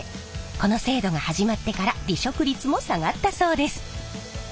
この制度が始まってから離職率も下がったそうです。